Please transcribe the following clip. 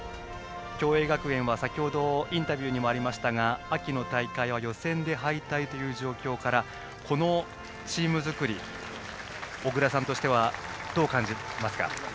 共栄学園は先程インタビューにもありましたが秋の大会は予選で敗退という状況からこのチーム作り小倉さんとしてはどう感じますか？